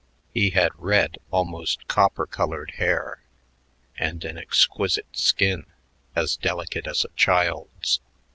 He had red, almost copper colored, hair, and an exquisite skin, as delicate as a child's.